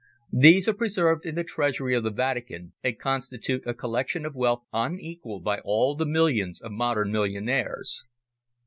These are preserved in the treasury of the Vatican, and constitute a collection of wealth unequalled by all the millions of modern millionaires.